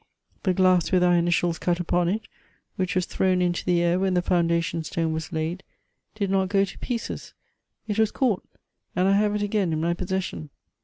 The glass with our initials cut upon it, which was thrown into the air when the foundation stone was laid, did not go to pieces ; it was caught, and I have it again in my posses sion.